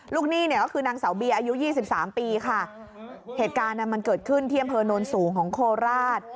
หนี้เนี่ยก็คือนางสาวเบียอายุยี่สิบสามปีค่ะเหตุการณ์มันเกิดขึ้นที่อำเภอโน้นสูงของโคราช